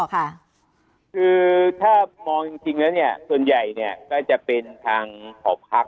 คือถ้ามองจริงแล้วเนี่ยส่วนใหญ่เนี่ยก็จะเป็นทางหอพัก